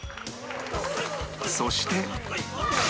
そして